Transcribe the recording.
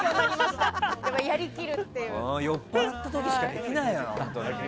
よっぽどの時しかできないよ。